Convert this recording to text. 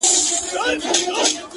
• چي دي راوړې کیسه ناښاده -